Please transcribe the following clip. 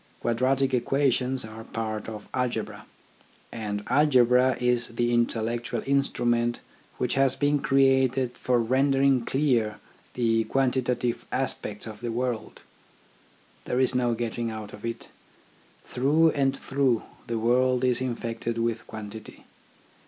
Quadratic equations are part of algebra, and algebra is the intellectual instrument which has been created for rendering clear the quantitative THE AIMS OF EDUCATION 15 aspects of the world. There is no getting out of it. Through and through the world is in fected with quantity.